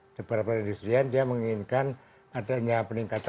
ada beberapa industri yang menginginkan adanya peningkatan